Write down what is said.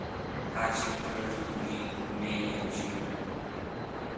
Hatching occurs between May and June.